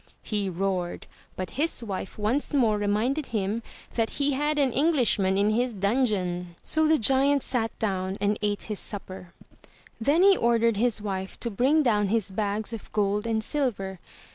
'* he roared, but his wife once more reminded him that he had an Englishman in his dungeon, so the giant sat down and ate his supper. Then he ordered his wife to bring down his bags of gold and silver.